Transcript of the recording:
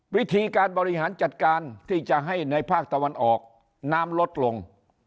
วิธีการบริหารจัดการที่จะให้ในภาคตะวันออกน้ำลดลง